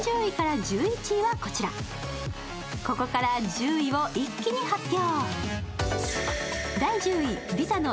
ここから１０位を一気に発表。